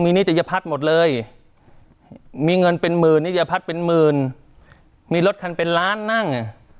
นิตยพัฒน์หมดเลยมีเงินเป็นหมื่นนิยพัฒน์เป็นหมื่นมีรถคันเป็นล้านนั่ง